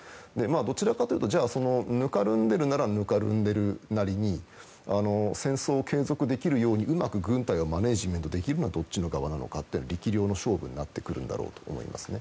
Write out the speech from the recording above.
どちらかというとぬかるんでるならぬかるんでるなりに戦争を継続できるようにうまく軍隊をマネジメントできるのはどっちの側なのかという力量の勝負になってくると思います。